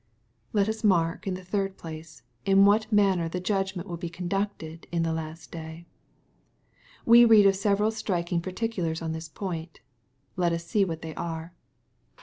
*' Let us mark, in the third place, in what manner the judgment toill be conducted in the last day. We read of several striking particulars on this point. Let us see what they are.